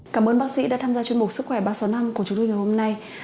cảm ơn bác sĩ đã tham gia chương mục sức khỏe ba trăm sáu mươi năm của chúng tôi ngày hôm nay